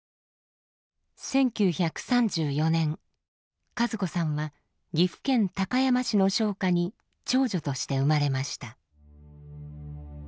１９３４年和子さんは岐阜県高山市の商家に長女として生まれました。